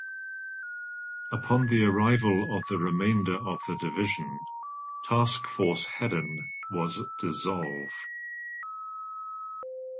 Upon the arrival of the remainder of the division, Task Force Herren was dissolved.